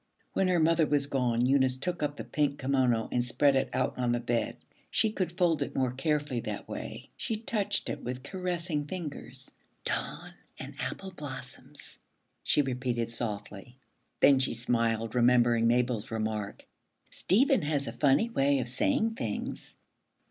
When her mother was gone, Eunice took up the pink kimono and spread it out on the bed. She could fold it more carefully that way. She touched it with caressing fingers. 'Dawn and apple blossoms,' she repeated softly. Then she smiled, remembering Mabel's remark: 'Stephen has a funny way of saying things.'